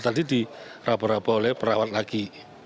tadi diraba raba oleh perawat lagi